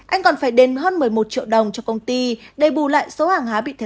anh còn phải đền hơn một mươi một triệu đồng cho công ty để bù lại số hàng hóa bị thiệt hại